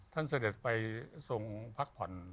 ท่านเสด็จไปส่งพักผ่อน